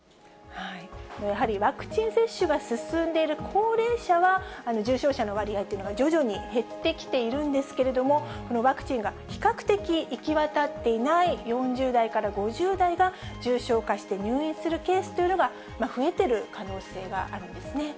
やはりワクチン接種が進んでいる高齢者は、重症者の割合というのが徐々に減ってきているんですけれども、このワクチンが比較的行き渡っていない４０代から５０代が重症化して入院するケースというのが増えてる可能性があるんですね。